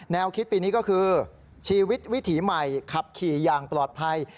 คิดปีนี้ก็คือชีวิตวิถีใหม่ขับขี่อย่างปลอดภัย